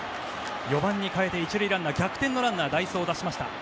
４番に代えて１塁ランナー、逆転のランナー代走を出しました。